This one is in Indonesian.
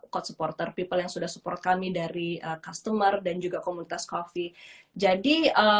coach supporter people yang sudah support kami dari customer dan juga komunitas coffee jadi